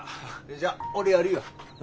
じゃあ俺やるよ。